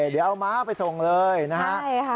เดี๋ยวเอาม้าไปส่งเลยนะครับ